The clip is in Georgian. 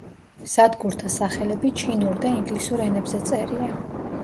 სადგურთა სახელები ჩინურ და ინგლისურ ენებზე წერია.